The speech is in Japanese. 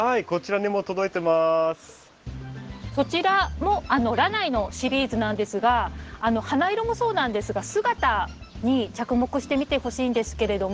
そちらもラナイのシリーズなんですが花色もそうなんですが姿に着目してみてほしいんですけれども。